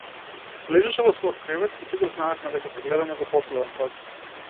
Лежеше во својот кревет и сите знаевме дека се гледаме за последен пат.